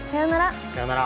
さようなら。